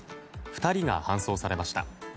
２人が搬送されました。